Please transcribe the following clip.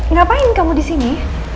ngapain kamu di sini